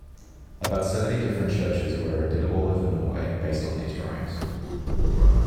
About seventy different churches were erected all over Norway based on these drawings.